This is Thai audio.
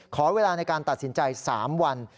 ขอเวลาในการตัดสินใจ๓วัน